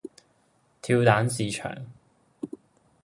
跳蚤市場